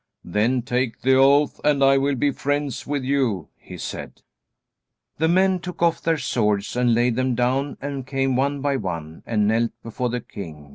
"Then take the oath, and I will be friends with you," he said. The men took off their swords and laid them down and came one by one and knelt before the king.